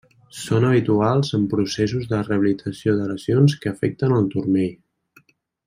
Són habituals en processos de rehabilitació de lesions que afecten el turmell.